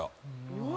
うわ！